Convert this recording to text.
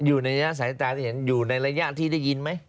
อยู่ในระยะสายตาที่เห็นอยู่ในระยะที่ได้ยินไหม